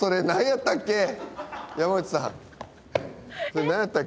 「何やったっけ？